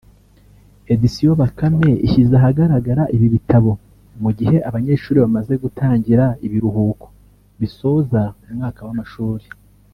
Editions Bakame ishyize ahagaragara ibi bitabo mu gihe abanyeshuri bamaze gutangira ibiruhuko bisoza umwaka w’amashuri